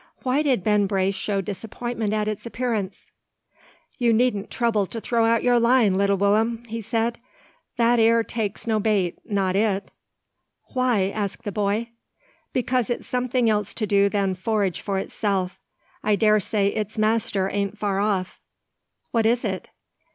Why did Ben Brace show disappointment at its appearance? "You needn't trouble to throw out your line, little Will'm," said he, "that ere takes no bait, not it." "Why?" asked the boy. "Because it's something else to do than forage for itself. I dare say its master an't far off." "What is it?"